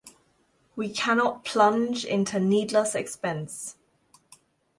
We cannot plunge into needless expense.